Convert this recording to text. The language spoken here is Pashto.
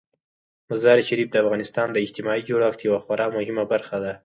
مزارشریف د افغانستان د اجتماعي جوړښت یوه خورا مهمه برخه ده.